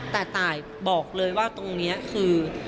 แต่ตายบอกเลยว่าตรงนี้คือ